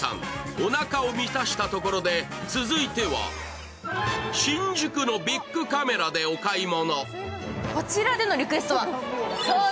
おなかを満たしたところで、続いては新宿のビックカメラでお買い物。